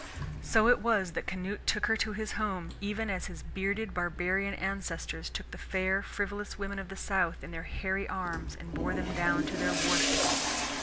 So it was that Canute took her to his home, even as his bearded barbarian ancestors took the fair frivolous women of the South in their hairy arms and bore them down to their war ships.